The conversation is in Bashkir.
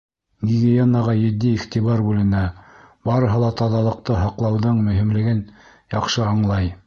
Гигиенаға етди иғтибар бүленә, барыһы ла таҙалыҡты һаҡлауҙың мөһимлеген яҡшы аңлай.